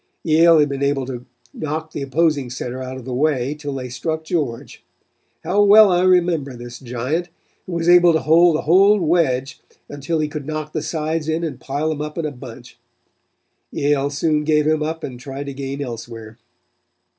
"Yale had been able to knock the opposing center out of the way till they struck George. How well I remember this giant, who was able to hold the whole wedge until he could knock the sides in and pile them up in a bunch. Yale soon gave him up and tried to gain elsewhere.